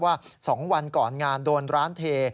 ว่า๒วันก่อนงานโดนร้านเท